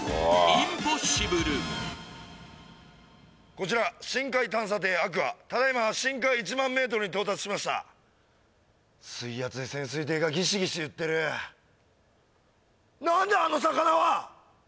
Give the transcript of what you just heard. こちら深海探査艇アクアただいま深海１万メートルに到達しました水圧で潜水艇がギシギシいってる何だあの魚は！？